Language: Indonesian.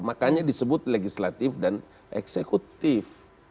makanya disebut legislatif dan eksekutif